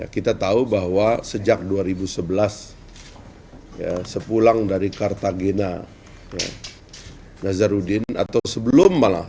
kita tahu bahwa sejak dua ribu sebelas sepulang dari kartagena nazarudin atau sebelum malah